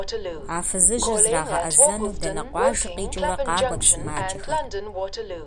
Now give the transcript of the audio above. А фызыжьыр зрагъэӏэзэну дэнэ къуажи къикӏыурэ къакӏуэт сымаджэхэр.